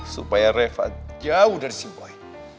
supaya reva jauh dari si boy